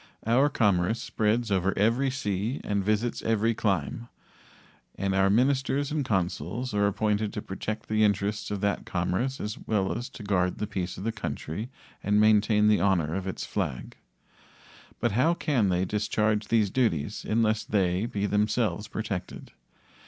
Our commerce spreads over every sea and visits every clime, and our ministers and consuls are appointed to protect the interests of that commerce as well as to guard the peace of the country and maintain the honor of its flag. But how can they discharge these duties unless they be themselves protected?